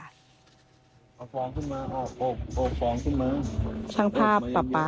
เอาฟองขึ้นมาอบฟองขึ้นมา